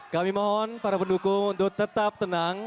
kami mohon para pendukung untuk tetap tenang